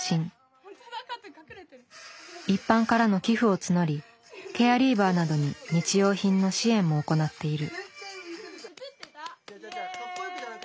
一般からの寄付を募りケアリーバーなどに日用品の支援も行っている。